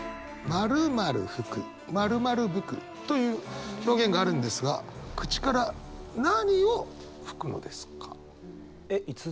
「○○吹く」「○○吹く」という表現があるんですが口から何を吹くのですか？